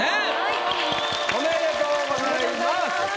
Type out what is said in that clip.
おめでとうございます。